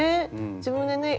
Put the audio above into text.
自分でね